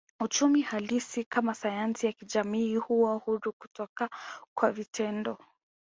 Uchumi halisi kama sayansi ya kijamii huwa huru kutoka kwa vitendo